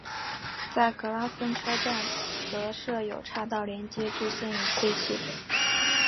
在格拉芬车站则设有岔道连接至现已废弃的。